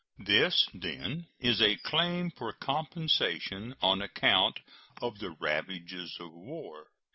This, then, is a claim for compensation on account of the ravages of war.